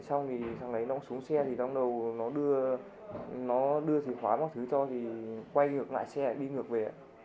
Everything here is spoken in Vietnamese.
xong thì lấy nó xuống xe thì trong đầu nó đưa thì khóa mọi thứ cho thì quay ngược lại xe đi ngược về ạ